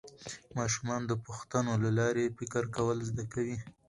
ماشومان د پوښتنو له لارې فکر کول زده کوي